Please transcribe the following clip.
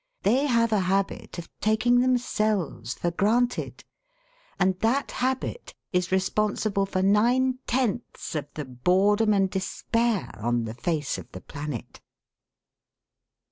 They have a habit of taking themselves for granted, and that habit is responsible for nine tenths of the boredom and despair on the face of the planet.